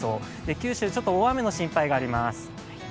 九州、ちょっと大雨の心配があります。